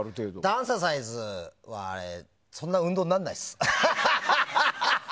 ダンササイズはそんな運動にならないです。